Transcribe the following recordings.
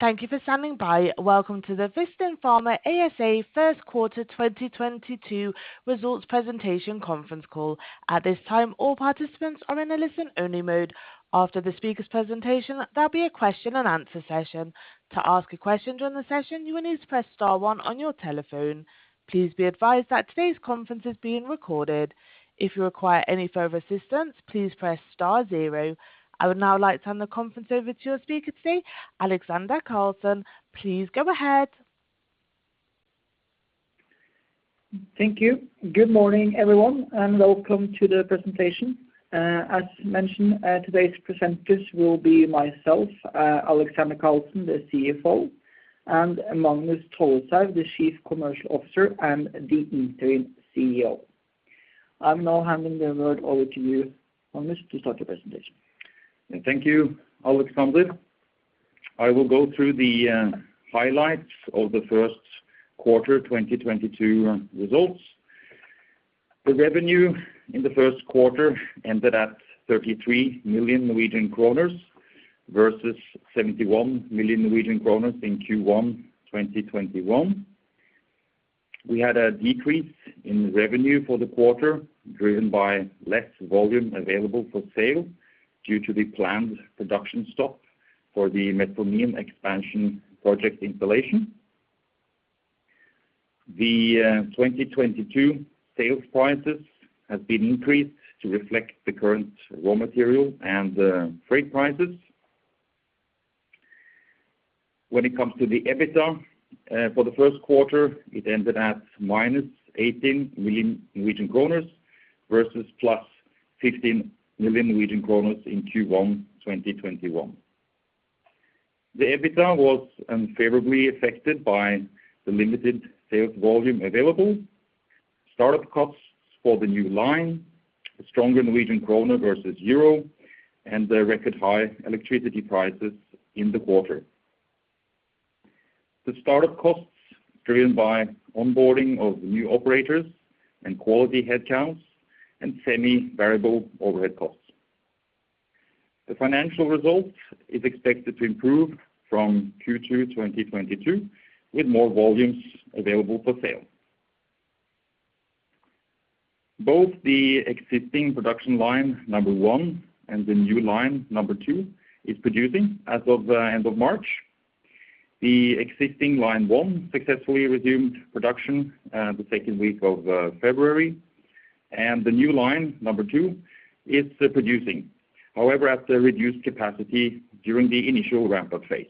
Thank you for standing by. Welcome to the Vistin Pharma ASA first quarter 2022 results presentation conference call. At this time, all participants are in a listen-only mode. After the speaker's presentation, there'll be a question and answer session. To ask a question during the session, you will need to press star one on your telephone. Please be advised that today's conference is being recorded. If you require any further assistance, please press star zero. I would now like to turn the conference over to your speaker today, Alexander Karlsen. Please go ahead. Thank you. Good morning, everyone, and welcome to the presentation. As mentioned, today's presenters will be myself, Alexander Karlsen, the CFO, and Magnus Tolleshaug, the Chief Commercial Officer and the interim CEO. I'm now handing the word over to you, Magnus, to start the presentation. Thank you, Alexander. I will go through the highlights of the first quarter 2022 results. The revenue in the first quarter ended at 33 million Norwegian kroner versus 71 million Norwegian kroner in Q1 2021. We had a decrease in revenue for the quarter, driven by less volume available for sale due to the planned production stop for the Metformin Expansion Project installation. The 2022 sales prices has been increased to reflect the current raw material and freight prices. When it comes to the EBITDA for the first quarter, it ended at -18 million Norwegian kroner versus +15 million Norwegian kroner in Q1 2021. The EBITDA was unfavorably affected by the limited sales volume available, start-up costs for the new line, a stronger Norwegian kroner versus euro, and the record high electricity prices in the quarter. The start-up costs driven by onboarding of new operators and quality headcounts and semi-variable overhead costs. The financial results is expected to improve from Q2 2022 with more volumes available for sale. Both the existing production line number 1 and the new line number 2 is producing as of the end of March. The existing line 1 successfully resumed production, the second week of February, and the new line, number 2, is producing. However, at the reduced capacity during the initial ramp-up phase.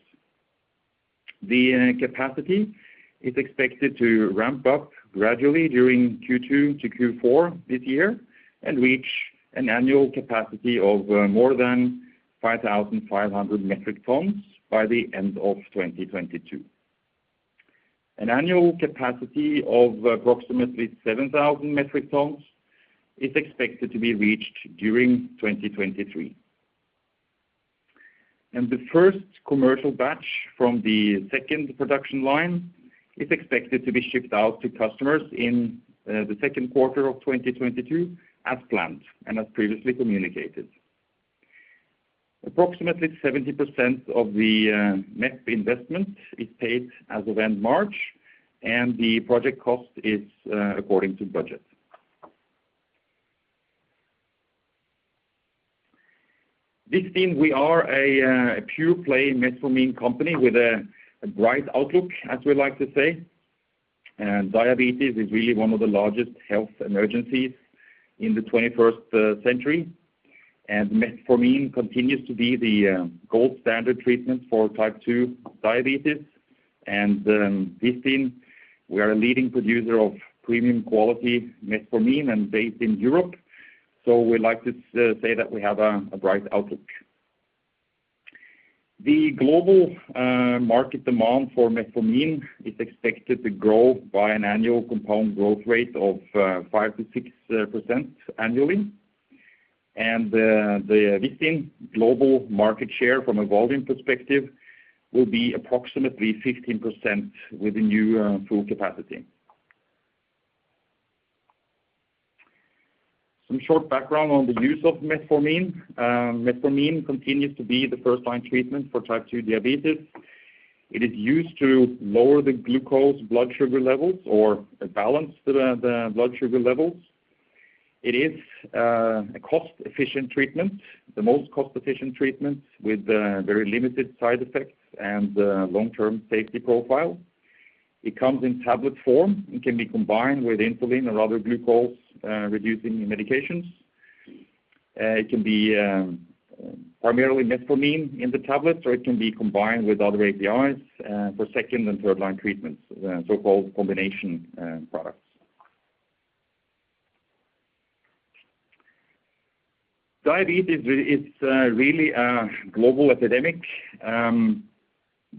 The capacity is expected to ramp up gradually during Q2 to Q4 this year and reach an annual capacity of more than 5,500 metric tons by the end of 2022. An annual capacity of approximately 7,000 metric tons is expected to be reached during 2023. The first commercial batch from the second production line is expected to be shipped out to customers in the second quarter of 2022 as planned and as previously communicated. Approximately 70% of the MEP investment is paid as of end March, and the project cost is according to budget. Vistin, we are a pure-play metformin company with a bright outlook, as we like to say. Diabetes is really one of the largest health emergencies in the 21st century. Metformin continues to be the gold standard treatment for type 2 diabetes. Vistin, we are a leading producer of premium quality metformin and based in Europe. We like to say that we have a bright outlook. The global market demand for metformin is expected to grow by an annual compound growth rate of 5%-6% annually. The Vistin global market share from a volume perspective will be approximately 15% with the new full capacity. Some short background on the use of metformin. Metformin continues to be the first-line treatment for type 2 diabetes. It is used to lower the glucose blood sugar levels or balance the blood sugar levels. It is a cost-efficient treatment, the most cost-efficient treatment with very limited side effects and long-term safety profile. It comes in tablet form and can be combined with insulin or other glucose reducing medications. It can be primarily metformin in the tablet, or it can be combined with other APIs for second and third-line treatments, so-called combination products. Diabetes is really a global epidemic.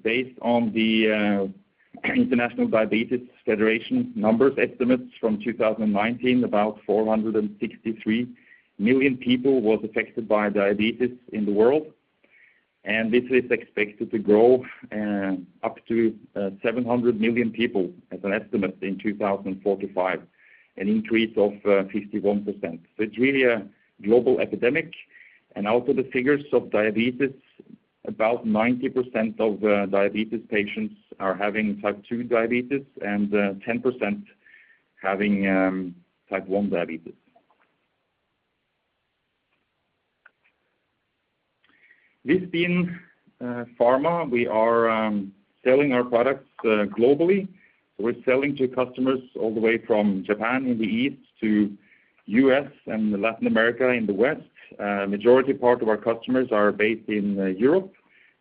Based on the International Diabetes Federation numbers estimates from 2019, about 463 million people was affected by diabetes in the world. This is expected to grow up to 700 million people as an estimate in 2045, an increase of 51%. It's really a global epidemic. The figures of diabetes, about 90% of diabetes patients are having type 2 diabetes and 10% having type 1 diabetes. Vistin Pharma, we are selling our products globally. We're selling to customers all the way from Japan in the east to U.S. and Latin America in the west. Majority part of our customers are based in Europe,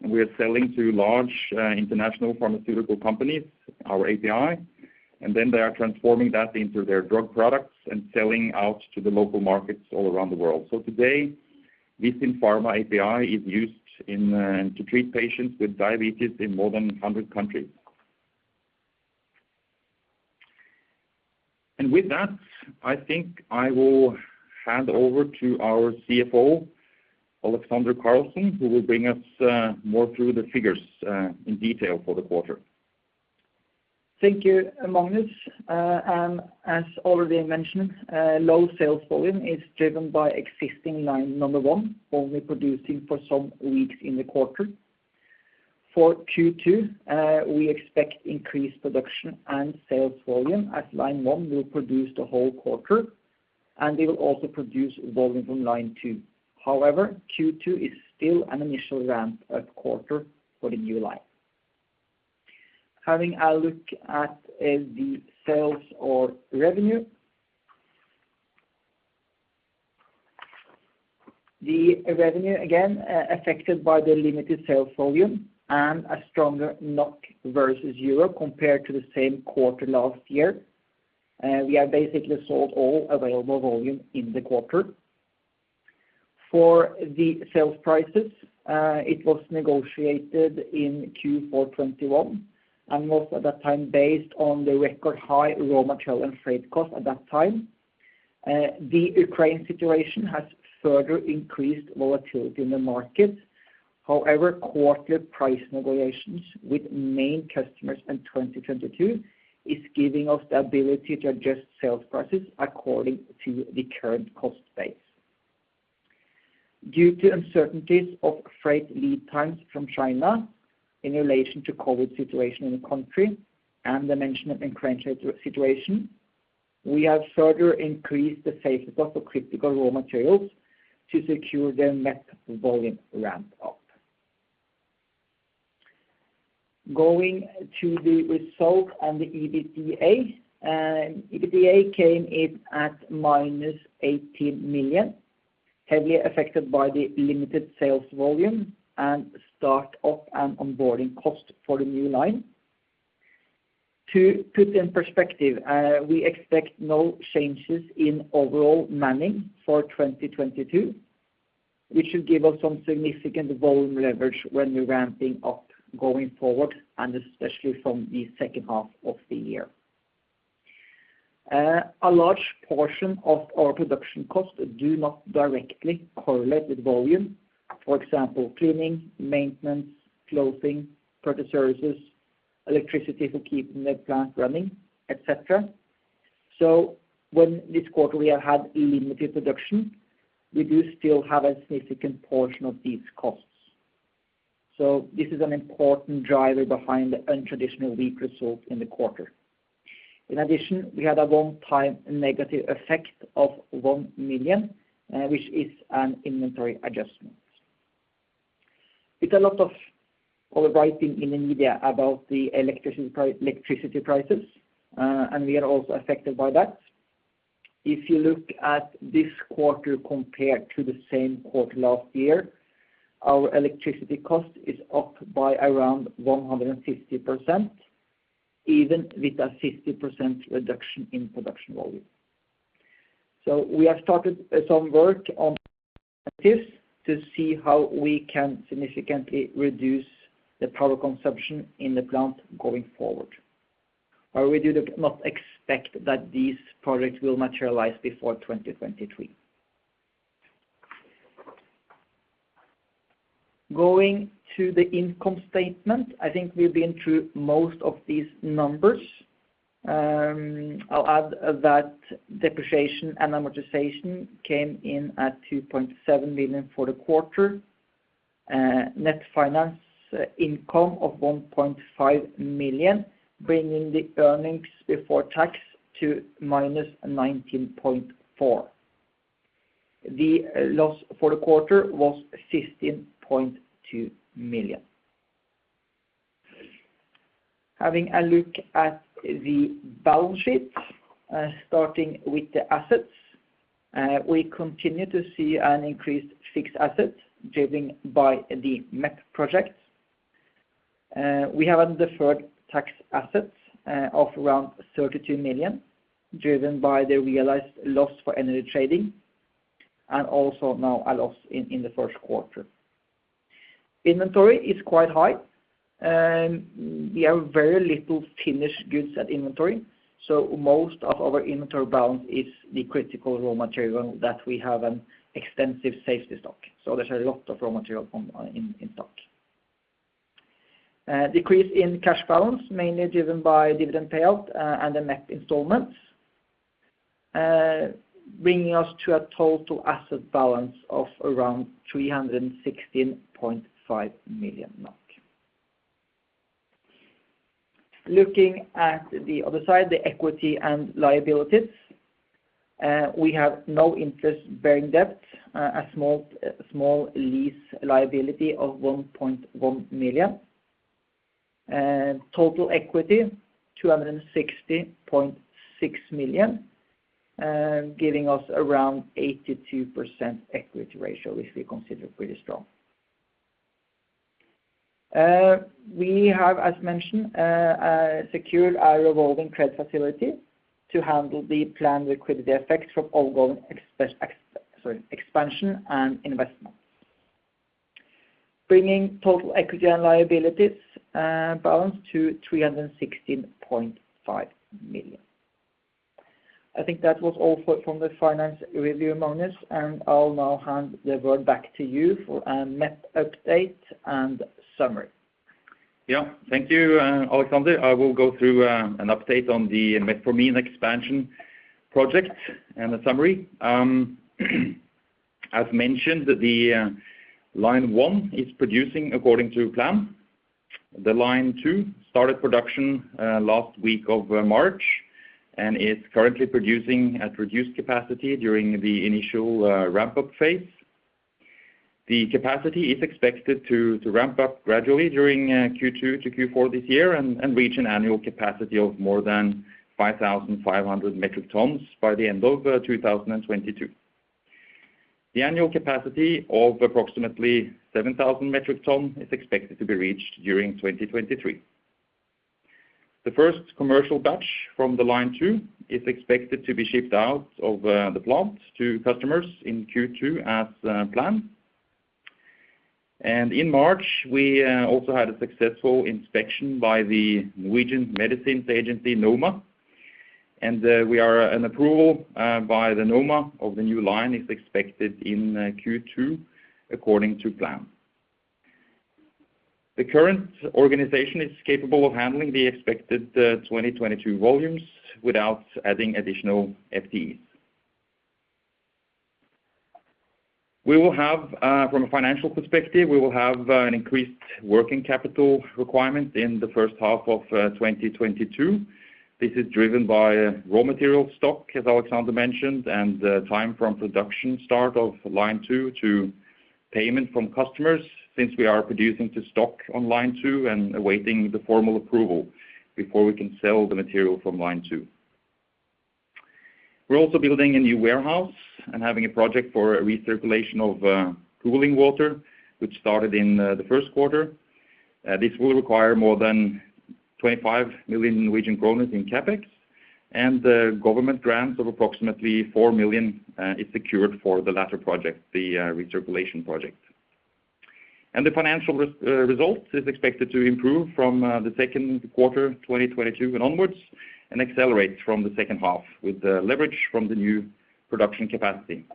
and we are selling to large international pharmaceutical companies, our API. They are transforming that into their drug products and selling out to the local markets all around the world. Today, Vistin Pharma API is used to treat patients with diabetes in more than 100 countries. With that, I think I will hand over to our CFO, Alexander Karlsen, who will walk us through the figures in detail for the quarter. Thank you, Magnus. As already mentioned, low sales volume is driven by existing line number 1, only producing for some weeks in the quarter. For Q2, we expect increased production and sales volume as line 1 will produce the whole quarter, and we will also produce volume from line 2. However, Q2 is still an initial ramp-up quarter for the new line. Having a look at the sales or revenue. The revenue again, affected by the limited sales volume and a stronger NOK versus euro compared to the same quarter last year. We have basically sold all available volume in the quarter. For the sales prices, it was negotiated in Q4 2021 and was at that time based on the record high raw material and freight cost at that time. The Ukraine situation has further increased volatility in the market. However, quarterly price negotiations with main customers in 2022 is giving us the ability to adjust sales prices according to the current cost base. Due to uncertainties of freight lead times from China in relation to COVID situation in the country and the mention of incremental situation, we have further increased the safety stock of critical raw materials to secure the next volume ramp up. Going to the result on the EBITDA. EBITDA came in at -18 million, heavily affected by the limited sales volume and start up and onboarding cost for the new line. To put in perspective, we expect no changes in overall manning for 2022, which should give us some significant volume leverage when we're ramping up going forward, and especially from the second half of the year. A large portion of our production costs do not directly correlate with volume. For example, cleaning, maintenance, clothing, product services, electricity for keeping the plant running, etc. When this quarter we have had limited production, we do still have a significant portion of these costs. This is an important driver behind the untraditionally weak results in the quarter. In addition, we had a one-time negative effect of 1 million, which is an inventory adjustment. With a lot of overwriting in the media about the electricity prices, and we are also affected by that. If you look at this quarter compared to the same quarter last year, our electricity cost is up by around 150%, even with a 60% reduction in production volume. We have started some work on this to see how we can significantly reduce the power consumption in the plant going forward. We do not expect that these projects will materialize before 2023. Going to the income statement. I think we've been through most of these numbers. I'll add that depreciation and amortization came in at 2.7 million for the quarter. Net finance income of 1.5 million, bringing the earnings before tax to -19.4 million. The loss for the quarter was 15.2 million. Having a look at the balance sheet, starting with the assets. We continue to see an increase in fixed assets driven by the MEP projects. We have a deferred tax assets of around 32 million, driven by the realized loss for energy trading and also now a loss in the first quarter. Inventory is quite high. We have very little finished goods at inventory, so most of our inventory balance is the critical raw material that we have an extensive safety stock. So there's a lot of raw material in stock. Decrease in cash balance mainly driven by dividend payout and the net installments, bringing us to a total asset balance of around 316.5 million. Looking at the other side, the equity and liabilities, we have no interest-bearing debt, a small lease liability of 1.1 million. Total equity, 260.6 million, giving us around 82% equity ratio, which we consider pretty strong. We have, as mentioned, secured our revolving credit facility to handle the planned liquidity effects from ongoing expansion and investment, bringing total equity and liabilities balance to 316.5 million. I think that was all from the finance review, Magnus, and I'll now hand the word back to you for MEP update and summary. Yeah. Thank you, Alexander. I will go through an update on the Metformin Expansion Project and a summary. As mentioned, the line 1 is producing according to plan. The line 2 started production last week of March and is currently producing at reduced capacity during the initial ramp-up phase. The capacity is expected to ramp up gradually during Q2 to Q4 this year and reach an annual capacity of more than 5,500 metric tons by the end of 2022. The annual capacity of approximately 7,000 metric tons is expected to be reached during 2023. The first commercial batch from the line 2 is expected to be shipped out of the plant to customers in Q2 as planned. In March, we also had a successful inspection by the Norwegian Medicines Agency, NOMA. An approval by the NOMA of the new line is expected in Q2 according to plan. The current organization is capable of handling the expected 2022 volumes without adding additional FTEs. We will have, from a financial perspective, an increased working capital requirement in the first half of 2022. This is driven by raw material stock, as Alexander mentioned, and time from production start of line 2 to payment from customers since we are producing to stock on line 2 and awaiting the formal approval before we can sell the material from line 2. We're also building a new warehouse and having a project for recirculation of cooling water, which started in the first quarter. This will require more than 25 million Norwegian kroner in CapEx, and a government grant of approximately 4 million is secured for the latter project, the recirculation project. The financial result is expected to improve from Q2 2022 and onwards and accelerate from the second half with the leverage from the new production capacity.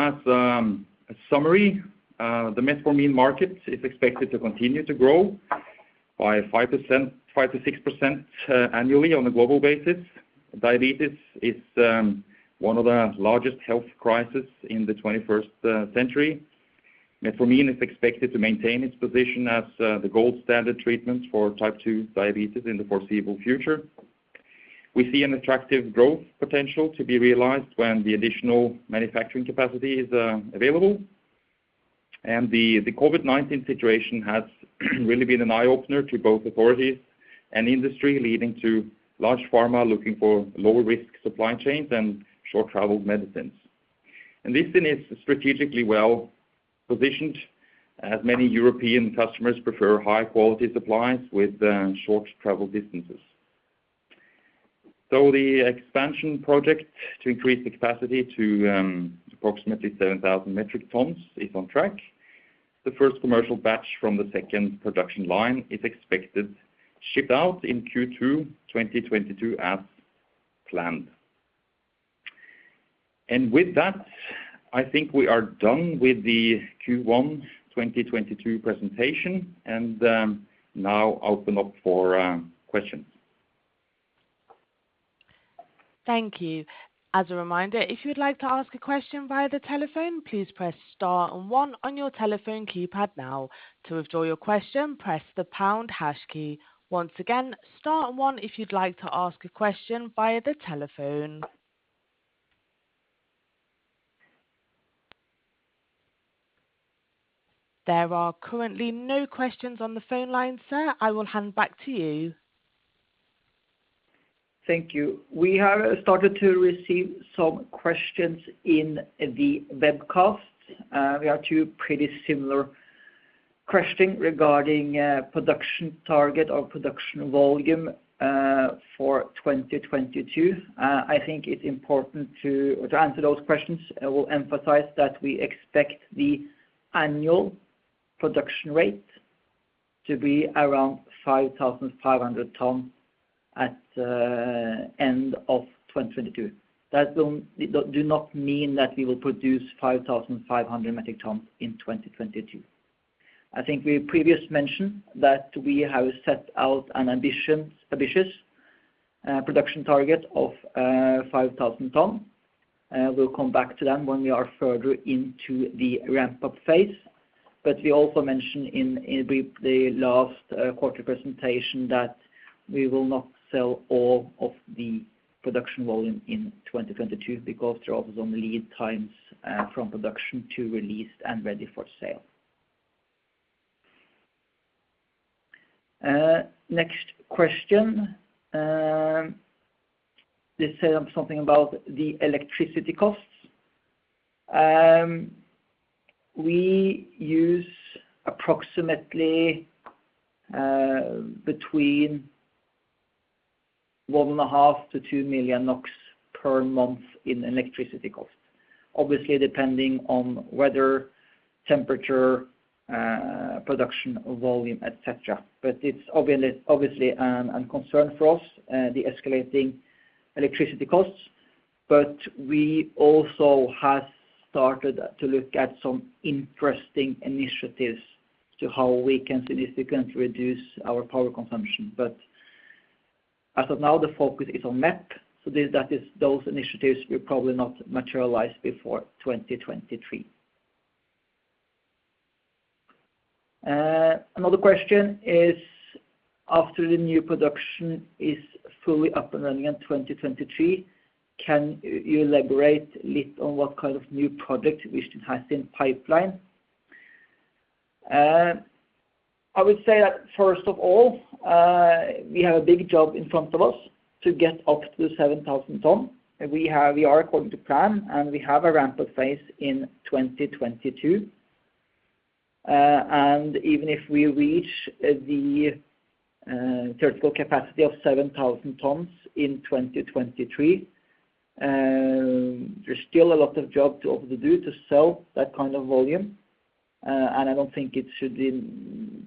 As a summary, the metformin market is expected to continue to grow by 5%, 5%-6% annually on a global basis. Diabetes is one of the largest health crisis in the 21st century. Metformin is expected to maintain its position as the gold standard treatment for type 2 diabetes in the foreseeable future. We see an attractive growth potential to be realized when the additional manufacturing capacity is available. COVID-19 situation has really been an eye-opener to both authorities and industry, leading to large pharma looking for lower-risk supply chains and short-traveled medicines. Vistin is strategically well-positioned, as many European customers prefer high-quality supplies with short travel distances. The expansion project to increase the capacity to approximately 7,000 metric tons is on track. The first commercial batch from the second production line is expected to ship out in Q2 2022 as planned. With that, I think we are done with the Q1 2022 presentation and now open up for questions. Thank you. As a reminder, if you would like to ask a question via the telephone, please press star and one on your telephone keypad now. To withdraw your question, press the pound hash key. Once again, star and one if you'd like to ask a question via the telephone. There are currently no questions on the phone line, sir. I will hand back to you. Thank you. We have started to receive some questions in the webcast. We have two pretty similar questions regarding production target or production volume for 2022. I think it's important to answer those questions. I will emphasize that we expect the annual production rate to be around 5,500 tons at end of 2022. That don't do not mean that we will produce 5,500 metric tons in 2022. I think we previously mentioned that we have set out an ambitious production target of 5,000 tons. We'll come back to that when we are further into the ramp-up phase. We also mentioned in brief the last quarter presentation that we will not sell all of the production volume in 2022 because there are also lead times from production to release and ready for sale. Next question. Let's say something about the electricity costs. We use approximately between 1.5-2 million NOK per month in electricity costs, obviously depending on weather, temperature, production volume, et cetera. It's obviously a concern for us, the escalating electricity costs. We also have started to look at some interesting initiatives on how we can significantly reduce our power consumption. As of now, the focus is on MEP. That is, those initiatives will probably not materialize before 2023. Another question is, after the new production is fully up and running in 2023, can you elaborate a little on what kind of new project Vistin has in pipeline? I would say that first of all, we have a big job in front of us to get up to 7,000 tons. We are according to plan, and we have a ramp-up phase in 2022. Even if we reach the theoretical capacity of 7,000 tons in 2023, there's still a lot of job to do to sell that kind of volume. I don't think it should be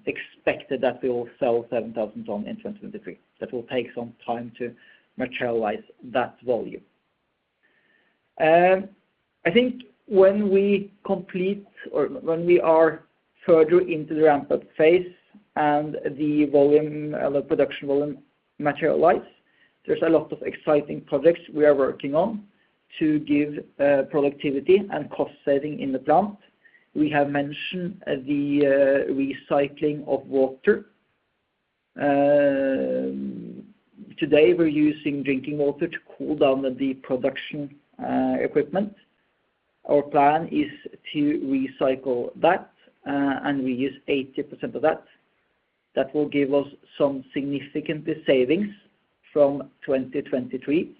expected that we will sell 7,000 tons in 2023. That will take some time to materialize that volume. I think when we complete or when we are further into the ramp-up phase and the volume, the production volume materialize, there's a lot of exciting projects we are working on to give productivity and cost saving in the plant. We have mentioned the recycling of water. Today, we're using drinking water to cool down the production equipment. Our plan is to recycle that and reuse 80% of that. That will give us some significant savings from 2023.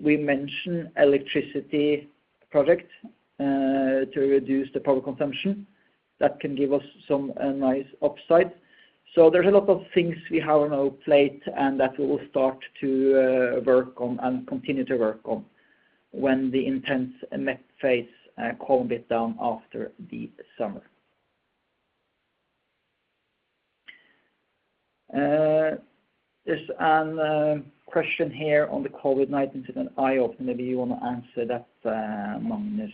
We mentioned electricity project to reduce the power consumption. That can give us some nice upside. There's a lot of things we have on our plate and that we will start to work on and continue to work on when the intense MEP phase calms a bit down after the summer. There's a question here on the COVID-19. It's an eye-opener. Maybe you want to answer that, Magnus.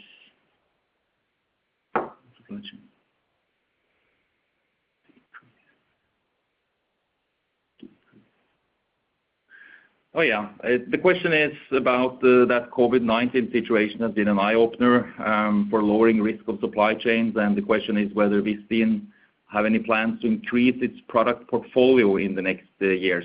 Oh, yeah. The question is about that COVID-19 situation has been an eye-opener for lowering risk of supply chains. The question is whether Vistin have any plans to increase its product portfolio in the next years.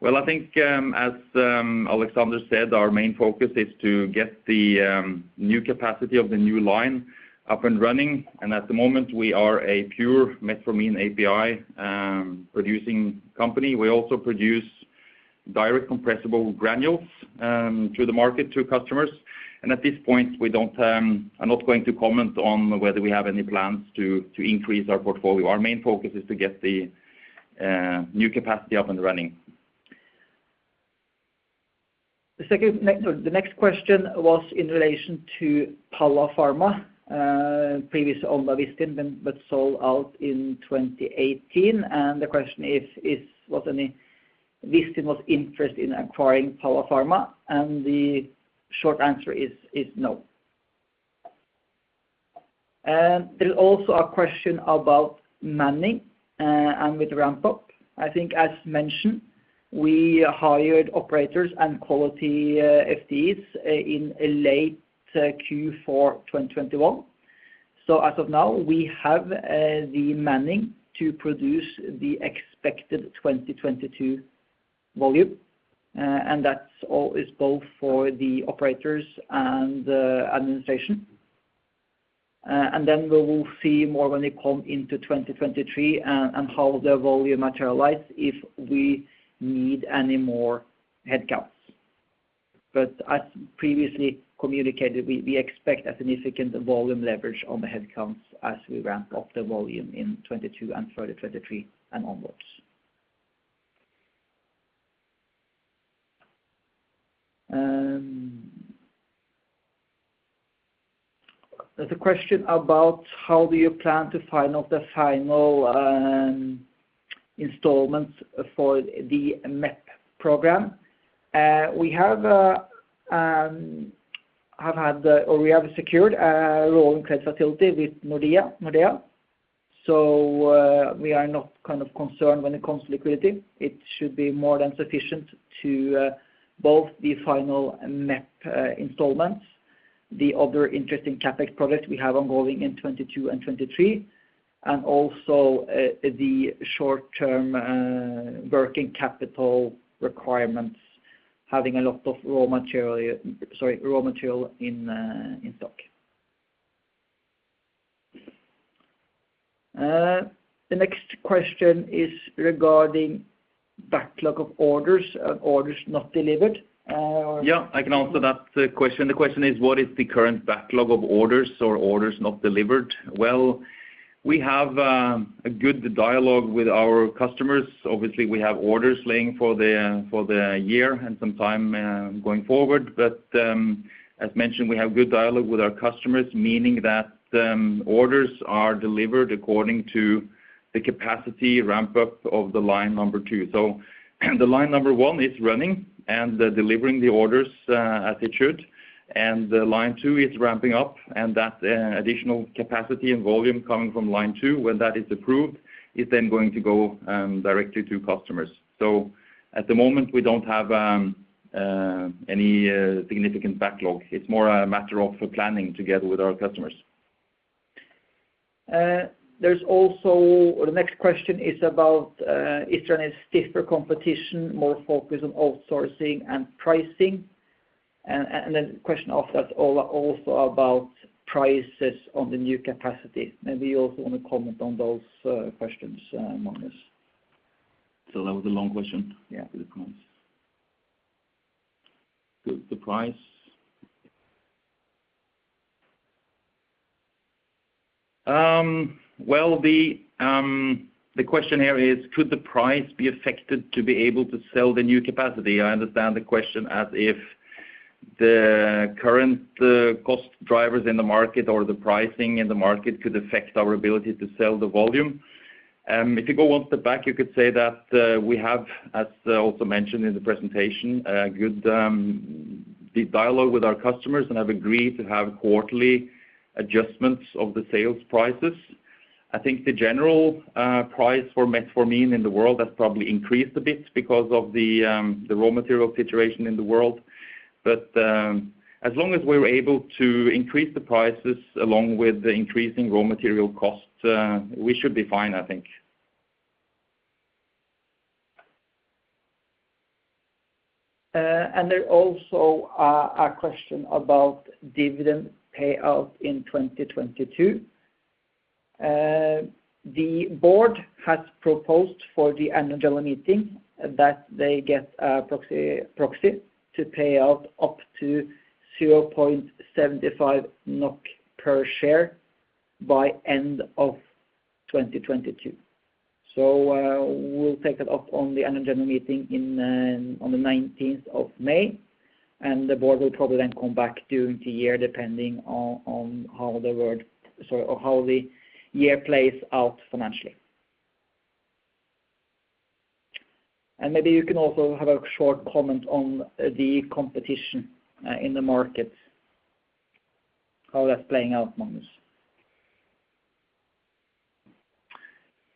Well, I think, as Alexander said, our main focus is to get the new capacity of the new line up and running. At the moment, we are a pure metformin API producing company. We also produce direct compressible granules to the market, to customers. At this point, we don't, I'm not going to comment on whether we have any plans to increase our portfolio. Our main focus is to get the new capacity up and running. The next question was in relation to Palla Pharma, previous owner of Vistin but sold out in 2018. The question is, was Vistin interested in acquiring Palla Pharma? The short answer is no. There's also a question about manning and the ramp-up. I think as mentioned, we hired operators and quality FTEs in late Q4 2021. So as of now, we have the manning to produce the expected 2022 volume. And that is both for the operators and the administration. Then we will see more when we come into 2023 and how the volume materializes, if we need any more headcounts. As previously communicated, we expect a significant volume leverage on the headcounts as we ramp up the volume in 2022 and further 2023 and onwards. There's a question about how do you plan to finance the final installments for the MEP program. We have secured a rolling credit facility with Nordea. We are not kind of concerned when it comes to liquidity. It should be more than sufficient to both the final MEP installments, the other interesting CapEx projects we have ongoing in 2022 and 2023, and also the short term working capital requirements, having a lot of raw material in stock. The next question is regarding backlog of orders not delivered. Yeah, I can answer that question. The question is what is the current backlog of orders or orders not delivered? Well, we have a good dialogue with our customers. Obviously, we have orders lying for the year and some time going forward. As mentioned, we have good dialogue with our customers, meaning that orders are delivered according to the capacity ramp up of the line number 2. The line number 1 is running and delivering the orders as it should. Line 2 is ramping up, and that additional capacity and volume coming from line 2, when that is approved, is then going to go directly to customers. At the moment, we don't have any significant backlog. It's more a matter of planning together with our customers. The next question is about is there any stiffer competition, more focus on outsourcing and pricing? The question after that also about prices on the new capacity. Maybe you also want to comment on those questions, Magnus. That was a long question. Yeah. The price. Well, the question here is could the price be affected to be able to sell the new capacity? I understand the question as if the current cost drivers in the market or the pricing in the market could affect our ability to sell the volume. If you go one step back, you could say that we have, as also mentioned in the presentation, a good dialogue with our customers and have agreed to have quarterly adjustments of the sales prices. I think the general price for metformin in the world has probably increased a bit because of the raw material situation in the world. As long as we're able to increase the prices along with the increasing raw material costs, we should be fine, I think. There's also a question about dividend payout in 2022. The board has proposed for the annual general meeting that they get a proxy to pay out up to 0.75 NOK per share by end of 2022. We'll take that up on the annual general meeting on the 19th of May, and the board will probably then come back during the year depending on how the year plays out financially. Maybe you can also have a short comment on the competition in the market, how that's playing out, Magnus.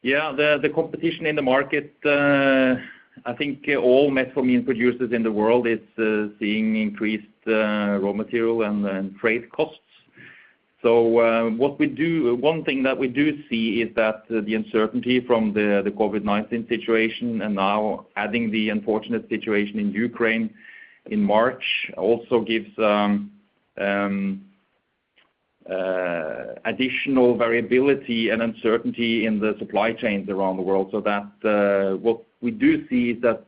Yeah. The competition in the market, I think all metformin producers in the world is seeing increased raw material and trade costs. One thing that we do see is that the uncertainty from the COVID-19 situation and now adding the unfortunate situation in Ukraine in March also gives additional variability and uncertainty in the supply chains around the world. That what we do see is that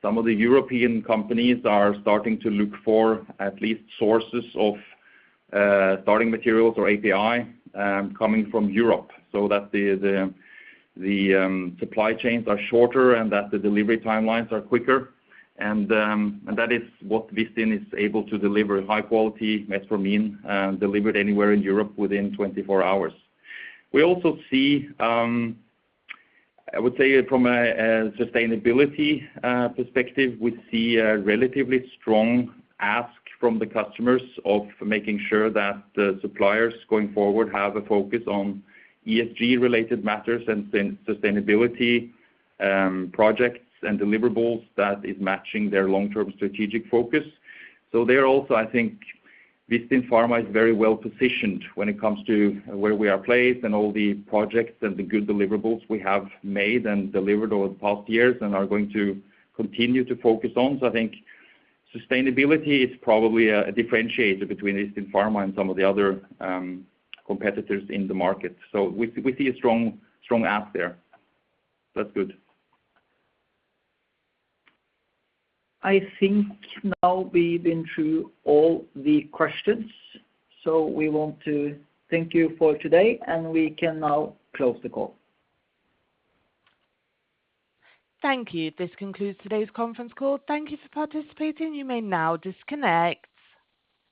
some of the European companies are starting to look for at least sources of starting materials or API coming from Europe so that the supply chains are shorter and that the delivery timelines are quicker. That is what Vistin is able to deliver, high quality metformin delivered anywhere in Europe within 24 hours. We also see, I would say from a sustainability perspective, we see a relatively strong ask from the customers of making sure that the suppliers going forward have a focus on ESG related matters and then sustainability projects and deliverables that is matching their long-term strategic focus. There also, I think Vistin Pharma is very well positioned when it comes to where we are placed and all the projects and the good deliverables we have made and delivered over the past years and are going to continue to focus on. I think sustainability is probably a differentiator between Vistin Pharma and some of the other competitors in the market. We see a strong ask there. That's good. I think now we've been through all the questions, so we want to thank you for today, and we can now close the call. Thank you. This concludes today's conference call. Thank you for participating. You may now disconnect.